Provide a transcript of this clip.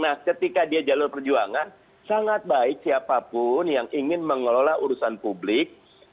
nah ketika dia jalur perjuangan sangat baik siapapun yang ingin mengelola urusan publik